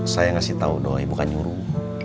saya ngasih tau boy bukan nyuruh